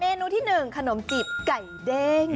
เมนูที่หนึ่งขนมจิบไก่เด้ง